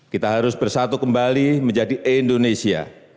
kita harus bersatu kembali menjadi indonesia